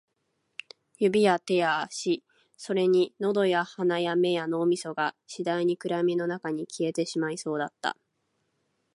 指や手や足、それに喉や鼻や目や脳みそが、次第に暗闇の中に消えてしまいそうだった